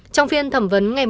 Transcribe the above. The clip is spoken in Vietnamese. trong phiên thẩm vấn ngày một